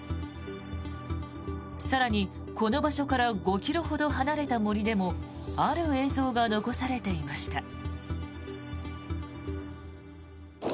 更に、この場所から５ｋｍほど離れた森でもある映像が残されていました。